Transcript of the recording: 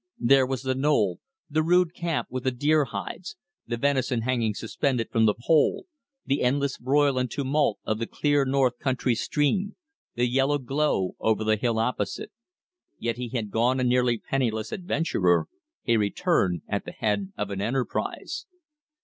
There was the knoll; the rude camp with the deer hides; the venison hanging suspended from the pole; the endless broil and tumult of the clear north country stream; the yellow glow over the hill opposite. Yet he had gone a nearly penniless adventurer; he returned at the head of an enterprise.